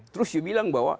terus you bilang bahwa